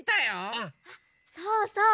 あそうそう！